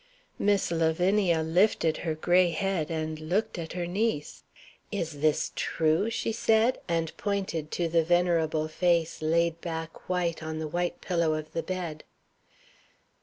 Miss Lavinia lifted her gray head, and looked at her niece. "Is this true?" she said and pointed to the venerable face laid back, white, on the white pillow of the bed.